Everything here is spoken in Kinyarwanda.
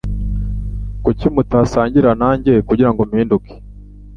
Kuki mutasangira nanjye kugirango mpinduke